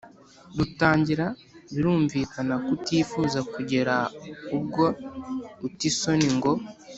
rutangira Birumvikana ko utifuza kugera ubwo uta isoni ngo